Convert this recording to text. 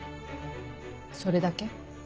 それだけ？